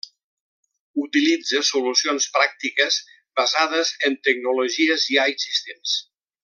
Utilitza solucions pràctiques basades en tecnologies ja existents.